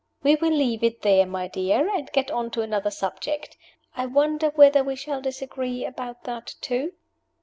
"We will leave it there, my dear, and get on to another subject. I wonder whether we shall disagree about that too?"